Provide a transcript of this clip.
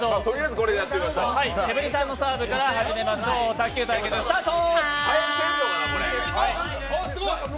ケムリさんのサーブから始めましょう、卓球対決スタート。